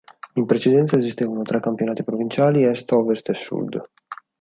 In precedenza esistevano tre campionati provinciali: est, ovest e sud.